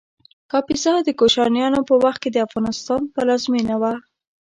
کاپیسا د کوشانیانو په وخت کې د افغانستان پلازمېنه وه